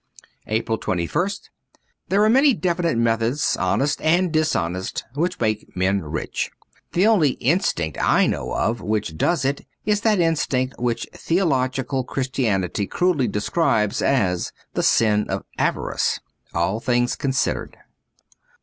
'' APRIL 2 1 St THERE are many definite methods, honest and dishonest, which make men rich ; the only * instinct ' I know of which does it is that instinct which theological Christianity crudely describes as ' the sin of avarice. ' ^All Things Considered.